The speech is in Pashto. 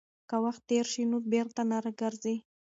که وخت تېر شي نو بېرته نه راګرځي.